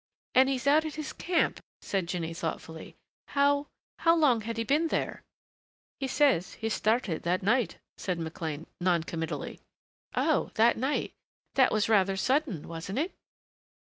"And he was out at his camp," said Jinny thoughtfully. "How how long had he been there?" "He says he started that night," said McLean non committally. "Oh!... That night.... That was rather sudden, wasn't it?"